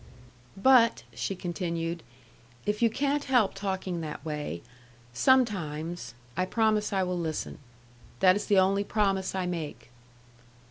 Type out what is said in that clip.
"But," she continued, "if you can't help talking that way sometimes I promise I will listen. That is the only promise I make."